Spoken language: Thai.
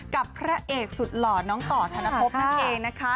กับพระเอกสุดหล่อน้องต่อธนภพนั่นเองนะคะ